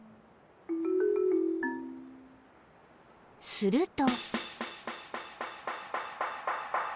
［すると］